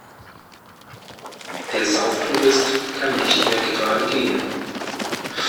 Der Sauftourist kann nicht mehr gerade gehen.